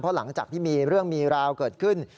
หลังจากที่มีเรื่องมีราวเกิดขึ้น